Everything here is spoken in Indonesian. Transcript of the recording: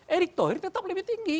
erick thohir tetap lebih tinggi